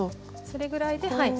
それぐらいではい。